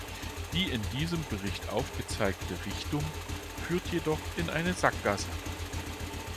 Die in diesem Bericht aufgezeigte Richtung führt jedoch in eine Sackgasse.